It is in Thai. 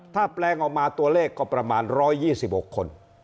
ถ้าแปลงออกมาตัวเลขก็ประมาณ๑๒๖คน